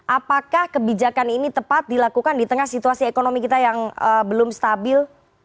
apakah kebijakan ini tepat dilakukan di tengah situasi ekonomi kita yang belum stabil